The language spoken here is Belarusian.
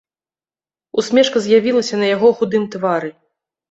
Усмешка з'явілася на яго худым твары.